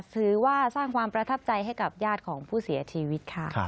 สร้างความประทับใจให้กับญาติของผู้เสียชีวิตค่ะ